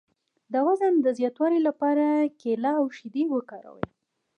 د وزن د زیاتولو لپاره کیله او شیدې وکاروئ